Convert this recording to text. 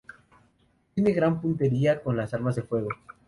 Tiene gran puntería con las armas de fuego.